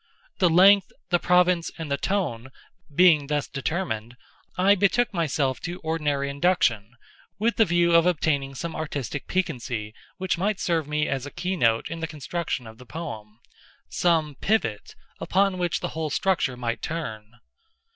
The length, the province, and the tone, being thus determined, I betook myself to ordinary induction, with the view of obtaining some artistic piquancy which might serve me as a key note in the construction of the poem—some pivot upon which the whole structure might turn.